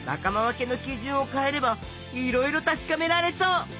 のきじゅんを変えればいろいろたしかめられそう。